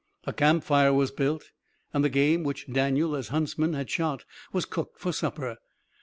A camp fire was built and the game which Daniel as huntsman had shot was cooked for supper.